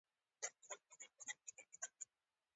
چا چې وس رسېد ښې جامې یې اغوستلې.